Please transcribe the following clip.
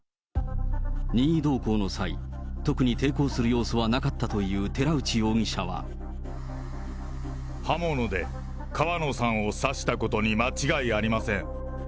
任意同行の際、特に抵抗する様子はなかったという寺内容疑者刃物で川野さんを刺したことに間違いありません。